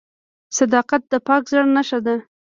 • صداقت د پاک زړه نښه ده.